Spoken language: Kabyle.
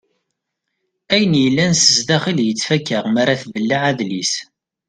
Ayen yellan sdaxel yettfaka mi ara tbelleɛ adlis.